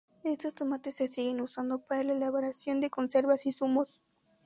Estos tomates se siguen usando para la elaboración de conservas y zumos.